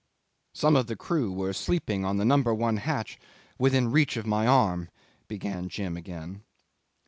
'"Some of the crew were sleeping on the number one hatch within reach of my arm," began Jim again.